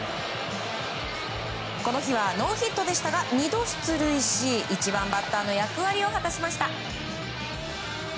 この日はノーヒットでしたが２度、出塁し１番バッターの役割を果たしました。